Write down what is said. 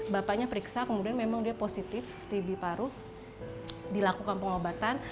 bapaknya periksa kemudian memang dia positif tb paru dilakukan pengobatan